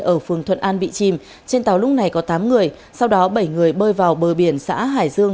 ở phường thuận an bị chìm trên tàu lúc này có tám người sau đó bảy người bơi vào bờ biển xã hải dương